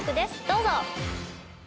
どうぞ！